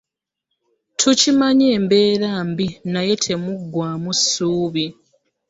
Tukimanyi embeera mbi naye temuggwaamu ssuubi.